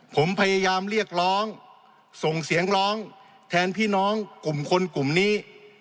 ผมพยายามเรียกร้องส่งเสียงร้องแทนพี่น้องกลุ่มคนกลุ่มนี้